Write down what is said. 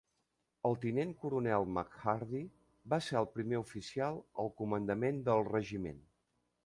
El tinent coronel McHardy va ser el primer oficial al comandament del regiment.